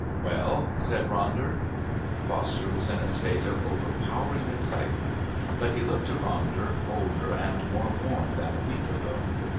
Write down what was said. "Well?" said Ronder. Foster was in a state of overpowering excitement, but he looked to Ronder older and more worn than a week ago.